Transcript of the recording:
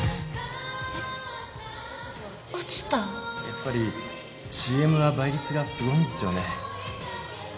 やっぱりＣＭは倍率がすごいんですよね。